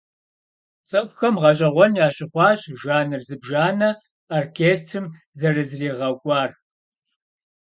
ЦӀыхухэм гъэщӀэгъуэн ящыхъуащ жанр зыбжанэ оркестрым зэрызригъэкӀуар.